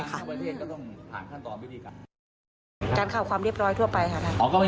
การข่าวความเรียบร้อยทั่วไปค่ะ